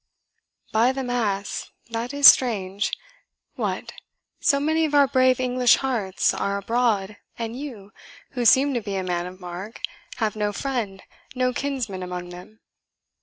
"By the Mass, that is strange. What! so many of our brave English hearts are abroad, and you, who seem to be a man of mark, have no friend, no kinsman among them?"